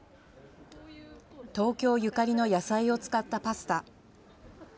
東京ゆかりの野菜を使ったパスタ。